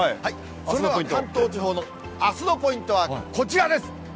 それでは関東地方のあすのポイントは、こちらです。